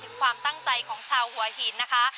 ความตั้งใจของชาวหัวหินนะคะ